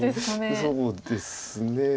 そうですね。